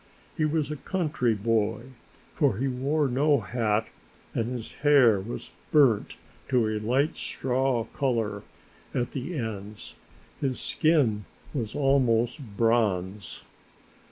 He was a country boy, for he wore no hat and his hair was burnt to a light straw color at the ends, his skin was almost bronze.